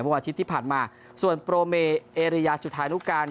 เมื่ออาทิตย์ที่ผ่านมาส่วนโปรเมย์เอรียาจุดท้ายนุการ